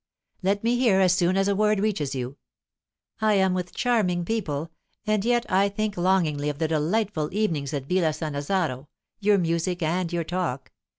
"Let me hear as soon as a word reaches you. I am with charming people, and yet I think longingly of the delightful evenings at Villa Sannazaro, your music and your talk.